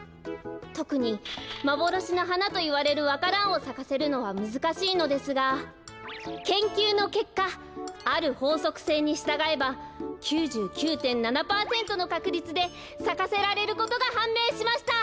とくにまぼろしのはなといわれるわか蘭をさかせるのはむずかしいのですが研究のけっかあるほうそくせいにしたがえば９９．７パーセントのかくりつでさかせられることがはんめいしました！